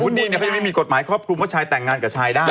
นี่เขายังไม่มีกฎหมายครอบคลุมว่าชายแต่งงานกับชายได้